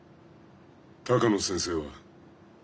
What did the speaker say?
鷹野先生は。